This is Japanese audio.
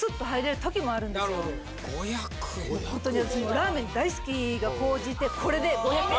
ラーメン大好きが高じてこれで５００円。